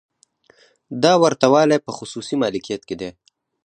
دا ورته والی په خصوصي مالکیت کې دی.